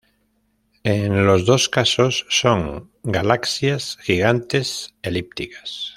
En los dos casos son galaxias gigantes elípticas.